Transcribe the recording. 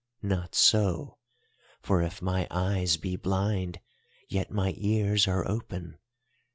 Not so, for if my eyes be blind yet my ears are open.